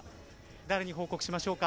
誰に報告しましょうか。